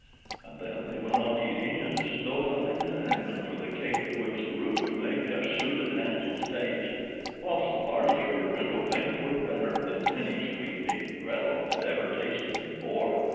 And then they went on eating as though nothing had happened for the cake of which the roof was made just suited Hansel's taste, whilst the barley sugar window panes were better than any sweetmeat Gretel had ever tasted before.